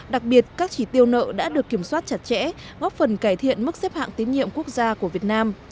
đặc biệt các chỉ tiêu nợ đã được kiểm soát chặt chẽ góp phần cải thiện mức xếp hạng tín nhiệm quốc gia của việt nam